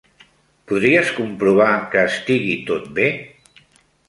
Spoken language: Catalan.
Podries comprovar que estigui tot bé?